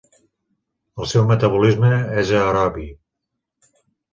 El seu metabolisme és aerobi.